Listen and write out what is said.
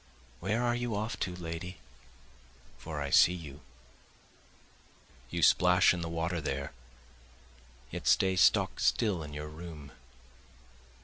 Where are you off to, lady? for I see you, You splash in the water there, yet stay stock still in your room.